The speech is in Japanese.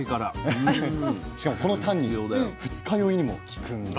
しかもこのタンニン二日酔いにも効くんです。